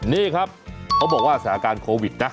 นี่ครับเขาบอกว่าสถานการณ์โควิดนะ